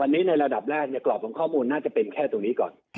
อันนี้ในระดับแรกกรอบของข้อมูลน่าจะเป็นแค่ตรงนี้ก่อน